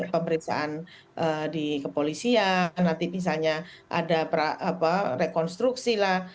pemerintahan ke polisi ya nanti misalnya ada rekonstruksi lah